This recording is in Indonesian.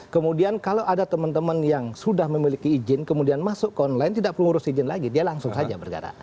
kemudian kalau ada teman teman yang sudah memiliki izin kemudian masuk ke online tidak perlu ngurus izin lagi dia langsung saja bergerak